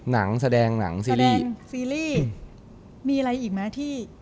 หนังแสดงหนังซีรีส์ซีรีส์มีอะไรอีกไหมที่